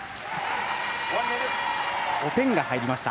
５点が入りました